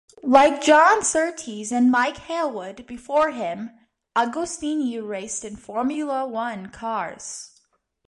Like John Surtees and Mike Hailwood before him, Agostini raced in Formula One cars.